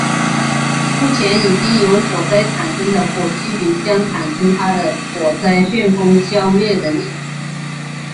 目前已经有火灾产生的火积云将产生它的火灾旋风消灭的例子。